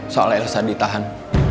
soal elsa ditahan